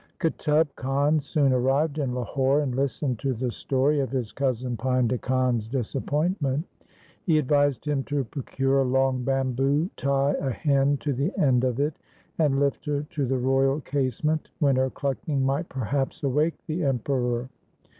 Qutub Khan soon arrived in Lahore, and listened to the story of his cousin Painda Khan's disappoint ment. He advised him to procure a long bamboo, tie a hen to the end of it, and lift her to the royal casement, when her clucking might perhaps awake the Emperor.